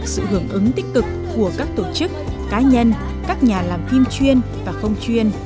sự hưởng ứng tích cực của các tổ chức cá nhân các nhà làm phim chuyên và không chuyên